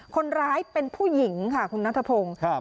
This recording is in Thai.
คนร้ายเป็นผู้หญิงค่ะคุณนัทพงศ์